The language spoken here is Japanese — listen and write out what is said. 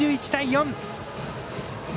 ２１対４！